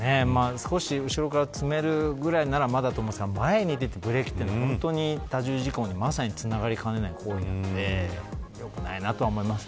少し後ろから詰めるぐらいならまだと思っていましたが前に出てブレーキは、多重事故につながりかねない行為なので良くないなと思います。